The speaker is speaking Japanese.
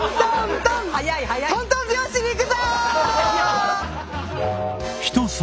トントン拍子にいくぞ！